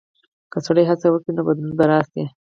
که سړی هڅه وکړي، نو بدلون به راشي.